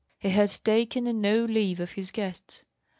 He had taken no leave of his guests.